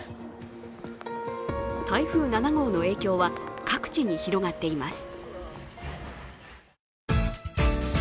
台風７号の影響は各地に広がっています。